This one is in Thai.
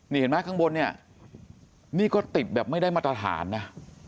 นี่เห็นไหมข้างบนเนี่ยนี่ก็ติดแบบไม่ได้มาตรฐานนะ